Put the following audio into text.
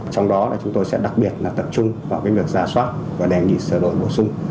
trong đó chúng tôi sẽ đặc biệt là tập trung vào cái việc giả soát và đề nghị sửa đổi bổ sung